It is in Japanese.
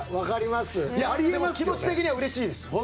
気持ち的にはうれしいですよ。